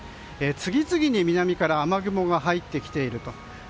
次々に南から雨雲が入ってきていると。